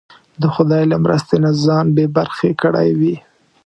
د خدای له مرستې نه ځان بې برخې کړی وي.